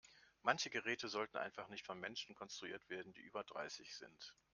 Manche Geräte sollten einfach nicht von Menschen konstruiert werden, die über dreißig sind.